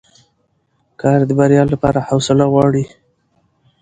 کار د بریا لپاره حوصله غواړي